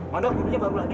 mandor kubiknya baru lagi